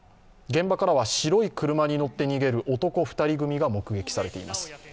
現場からは白い車に乗って逃げる男２人組が目撃されています